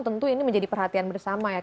tentu ini menjadi perhatian bersama ya